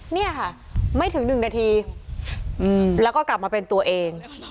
เนี่ยค่ะไม่ถึง๑นาทีแล้วก็กลับมาเป็นตัวเอง